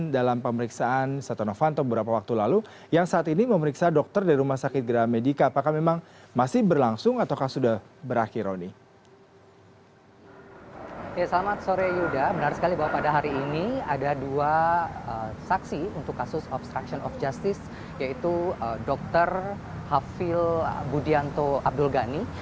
bagaimana dengan perkembangan penyidikan dan pemeriksaan saksi saksi terkait dengan upaya perintang